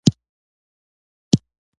روزګان يو ډير ښکلی ولايت دی